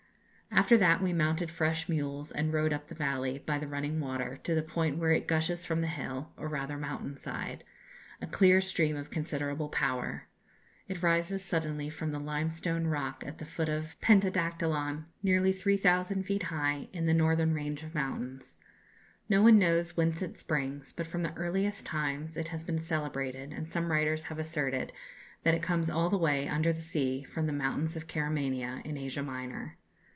"After that we mounted fresh mules, and rode up the valley, by the running water, to the point where it gushes from the hill, or rather mountain, side a clear stream of considerable power. It rises suddenly from the limestone rock at the foot of Pentadactylon, nearly 3,000 feet high, in the northern range of mountains. No one knows whence it springs; but from the earliest times it has been celebrated, and some writers have asserted that it comes all the way, under the sea, from the mountains of Keramania, in Asia Minor.